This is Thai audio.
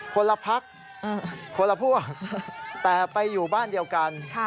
คนละพักคนละพวกแต่ไปอยู่บ้านเดียวกัน